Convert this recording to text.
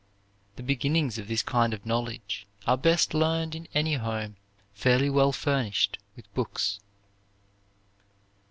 The beginnings of this kind of knowledge are best learned in any home fairly well furnished with books."